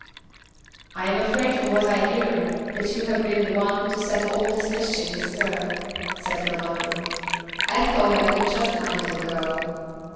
"I am afraid from all I hear, that you have been the one to set all this mischief astir," said her mother. "I thought I could trust my little girl.